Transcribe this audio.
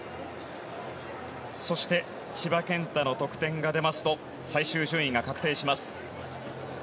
そして、千葉健太の得点が出ますと最終順位が確定します。